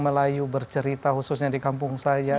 melayu bercerita khususnya di kampung saya